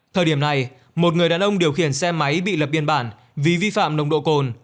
thời điểm này một người đàn ông điều khiển xe máy bị lập biên bản vì vi phạm nồng độ cồn